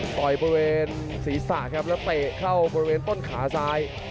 กลับไปประเภนศีรษะครับแล้วเป๊ะเข้าประเภนต้นขาซ้าย